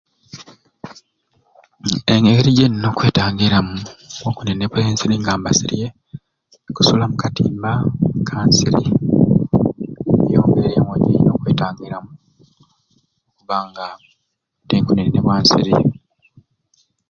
Engeri gyenina okwetangiramu okunenebwa ensiri nga mbasirye kusula my katimba ka nsiri eyo niyo ngeri gyenina okwetangiramu okubanga tenkunenebwa nsiri